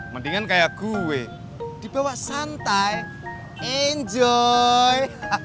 mendingan kayak gue dibawa santai enjoy